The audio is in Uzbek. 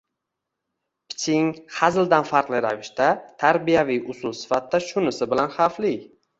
Piching, hazildan farqli ravishda, tarbiyaviy usul sifatida shunisi bilan xavfli.